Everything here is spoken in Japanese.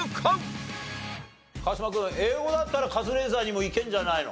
川島君英語だったらカズレーザーにもいけるんじゃないの？